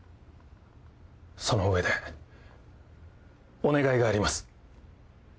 その上でお願いがあります。